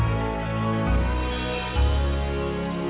jangan lupa like dan share kami